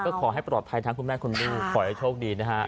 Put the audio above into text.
ก็ขอให้ปลอดภัยทั้งคุณแม่คุณลูกขอให้โชคดีนะฮะ